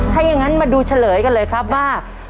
ถ้าอย่างนั้นมาดูเฉลยกันเลยครับว่า